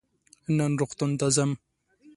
نن روغتون ته ځم.